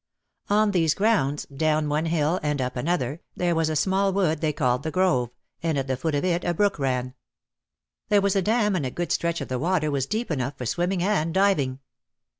On these grounds, down one hill and up another, there was a small wood they called the Grove and at the foot of it a brook ran. There was a dam and a good stretch of the water was deep enough for swimming and diving.